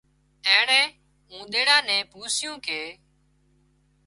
ايئانئي اونۮيڙا نين پوسيون ڪي